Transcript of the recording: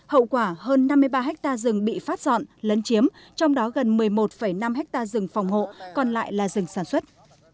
hậu quả hơn năm mươi ba ha rừng bị phát dọn lấn chiếm trong đó gần một mươi một năm hectare rừng phòng hộ còn lại là rừng sản xuất